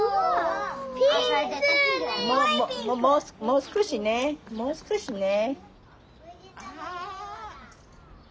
もう少しねもう少しね。